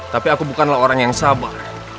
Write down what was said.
tapi aku bukanlah orang yang sabar